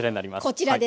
こちらです